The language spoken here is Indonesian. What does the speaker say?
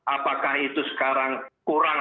apakah itu sekarang kurang